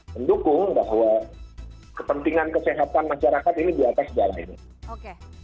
mendukung bahwa kepentingan kesehatan masyarakat ini di atas jalan ini